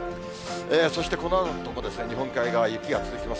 そしてこのあとも日本海側、雪が続きます。